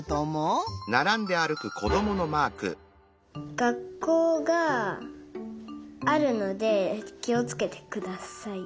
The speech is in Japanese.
がっこうがあるのできをつけてください。